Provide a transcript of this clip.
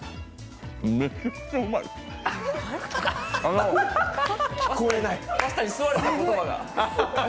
めちゃくちゃうまい。